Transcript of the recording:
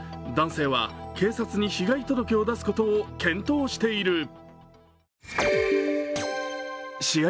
男性は警察に被害届を出すことを検討している。